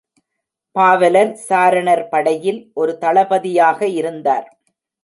பாவலர் சாரணர் படையில் ஒரு தளபதியாக இருந்தார்.